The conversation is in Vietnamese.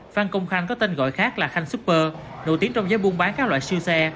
phan công khanh có tên gọi khác là khanh super nổi tiếng trong giới buôn bán các loại siêu xe